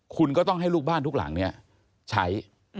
คุณก็ต้องให้ลูกบ้านทุกหลังใช้